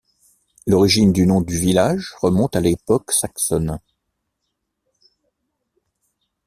L'origine du nom du village remonte à l'époque saxonne.